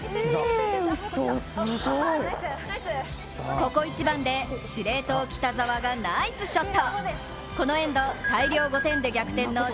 ここ一番で司令塔・北澤がナイスショット。